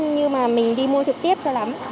như mà mình đi mua trực tiếp cho lắm